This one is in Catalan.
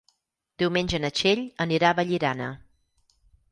Diumenge na Txell anirà a Vallirana.